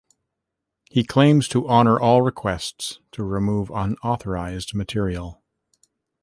He claims to honor all requests to remove unauthorized material.